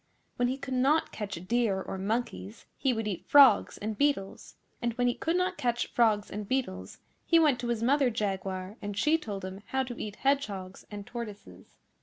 When he could not catch deer or monkeys he would eat frogs and beetles; and when he could not catch frogs and beetles he went to his Mother Jaguar, and she told him how to eat hedgehogs and tortoises.